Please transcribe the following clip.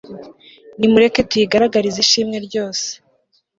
nimureke tuyigaragarize ishimwe ryose